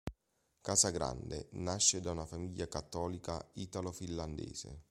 Casagrande nasce da una famiglia cattolica italo-finlandese.